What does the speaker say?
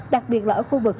đặc biệt là ở khu vực